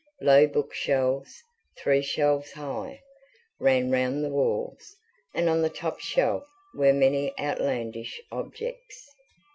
Low bookshelves, three shelves high, ran round the walls, and on the top shelf were many outlandish objects.